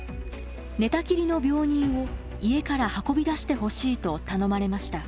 寝たきりの病人を家から運び出してほしいと頼まれました。